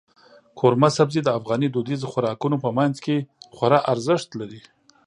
قورمه سبزي د افغاني دودیزو خوراکونو په منځ کې خورا ارزښت لري.